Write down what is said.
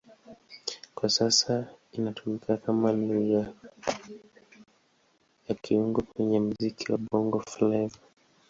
Kwa sasa inatumika kama Lugha ya kiungo kwenye muziki wa Bongo Flava.